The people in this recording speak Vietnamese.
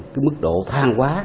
cái mức độ thang quá